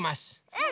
うん！